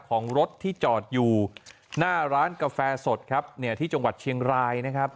ของรถที่จอดอยู่หน้าร้านกาแฟสดครับเนี่ยที่จังหวัดเชียงรายนะครับ